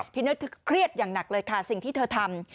ทีนี้เธอเครียดอย่างหนักเลยค่ะสิ่งที่เธอทำ